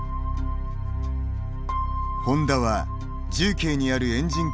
ホンダは重慶にあるエンジン